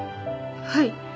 はい。